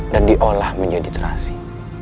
dan diolah menjadi terasi